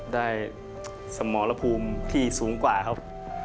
สมรภูมิที่สูงกว่าครับ